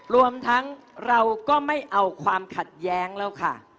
รวมทั้งเราก็ไม่เอาความขัดแย้งแล้วค่ะ